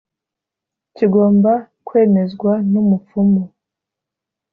kigomba kwemezwa n umupfumu